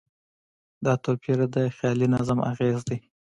دا توپیر د خیالي نظم اغېز دی.